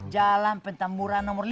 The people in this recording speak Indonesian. jalan pentamburan nomor lima